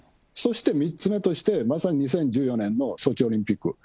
そして３つ目として、まさに２０１４年のソチオリンピック。